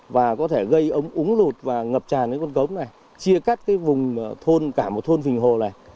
và có thể gây ống úng lụt và ngập tràn đến con cống này chia cắt cái vùng thôn cả một thôn phình hồ này